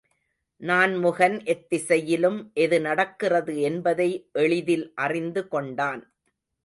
நான்முகன் எத்திசையிலும் எது நடக்கிறது என்பதை எளிதில் அறிந்து கொண்டான்.